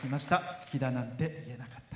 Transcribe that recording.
「好きだなんて言えなかった」